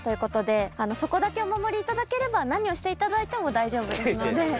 そこだけお守りいただければ何をしていただいても大丈夫ですので。